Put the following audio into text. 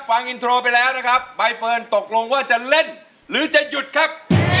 ฟังอินโทรไปแล้วนะครับใบเฟิร์นตกลงว่าจะเล่นหรือจะหยุดครับ